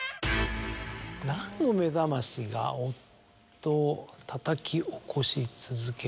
何の目覚ましが夫を叩き起こし続ける？